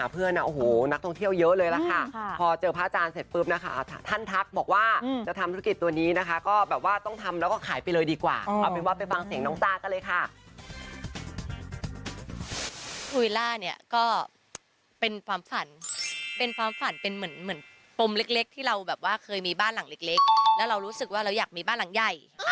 ภูวิล่าเนี่ยก็เป็นความฝันเป็นความฝันเป็นเหมือนเหมือนปมเล็กที่เราแบบว่าเคยมีบ้านหลังเล็กแล้วเรารู้สึกว่าเราอยากมีบ้านหลังใหญ่